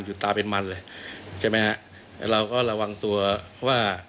หยุดตาเป็นมันเลยใช่มั้ยฮะเราก็ระวังตัวว่า